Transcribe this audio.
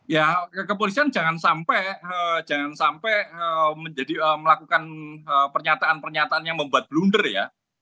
ya kepolisian jangan sampai menjadi melakukan pernyataan pernyataan yang membuat blunder ya